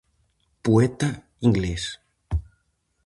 Poeta inglés.